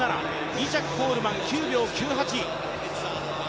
２着コールマン、９秒９８。